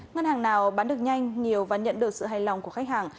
ngân hàng nào bán được nhanh nhiều và nhận được sự hài lòng của khách hàng